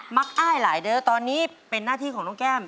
ักอ้ายหลายเด้อตอนนี้เป็นหน้าที่ของน้องแก้ม